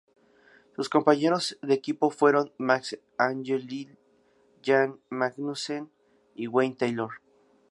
Sus compañeros de equipo fueron: Max Angelelli, Jan Magnussen y Wayne Taylor.